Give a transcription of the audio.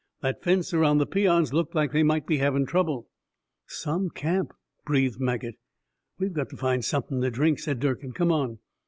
"That fence around the peons looks like they might be havin' trouble." "Some camp," breathed Maget. "We got to find somethin' to drink," said Durkin. "Come on."